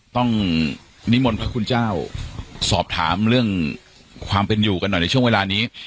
ต้องนิมนต์พระคุณเจ้าสอบถามเรื่องความเป็นอยู่กันหน่อยในช่วงเวลานี้